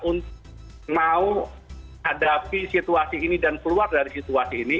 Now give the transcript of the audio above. untuk mau hadapi situasi ini dan keluar dari situasi ini